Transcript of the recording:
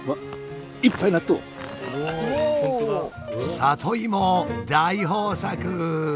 里芋大豊作！